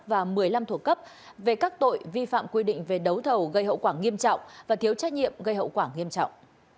và một mươi năm thuộc cấp về các tội vi phạm quy định về đấu thầu gây hậu quả nghiêm trọng và thiếu trách nhiệm gây hậu quả nghiêm trọng